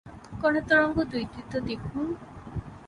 কণা তরঙ্গ দ্বৈততাদেখুন।